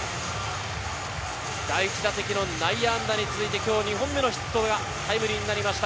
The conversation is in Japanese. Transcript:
第１打席の内野安打に次いで、今日２本目のヒットがタイムリーになりました。